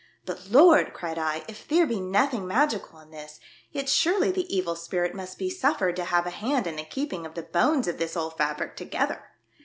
But, Lord!" cried I, "if theer be nothing magical in this, yet surely the Evil Spirit must be suffered to have a hand in the keeping of the bones of this old fabric together